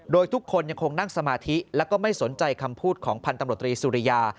โดยทุกคนยังคงนั่งสมาธิแล้วก็ไม่สนใจคำพูดของพันธมรตรีสุริยา